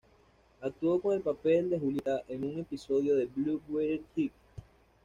Actuó con el papel de Julieta, en un episodio de "Blue Water High".